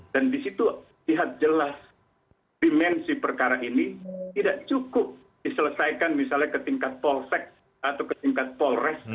dan di situ lihat jelas dimensi perkara ini tidak cukup diselesaikan misalnya ke tingkat polsek atau ke tingkat polres